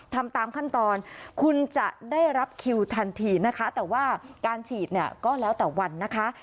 ทำตามขั้นตอนคุณจะได้รับคิวทันทีนะคะแต่ว่าการฉีดเนี่ยก็แล้วแต่วันนะคะ